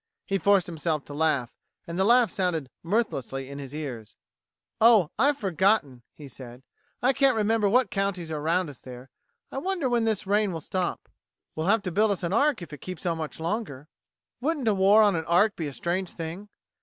He forced himself to laugh, and the laugh sounded mirthlessly in his ears. "Oh, I've forgotten," he said. "I can't remember what counties are around us there. I wonder when this rain will stop? We'll have to build us an ark if it keeps on much longer. Wouldn't a war on an ark be a strange thing?